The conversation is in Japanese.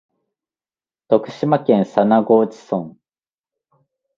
徳島県佐那河内村